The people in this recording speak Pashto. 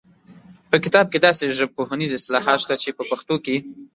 په کتاب کې داسې ژبپوهنیز اصطلاحات شته چې په پښتو کې